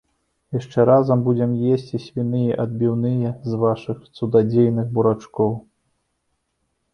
Яшчэ разам будзем есці свіныя адбіўныя з вашых цудадзейных бурачкоў.